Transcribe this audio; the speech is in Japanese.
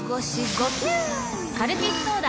カルピスソーダ！